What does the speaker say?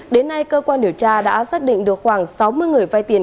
đến nay cơ quan điều tra đã xác định được khoảng sáu mươi người vai tiền